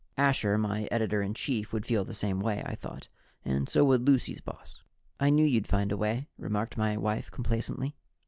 Asher, my editor in chief, would feel the same way, I thought, and so would Lucy's boss. "I knew you'd find a way," remarked my wife complacently.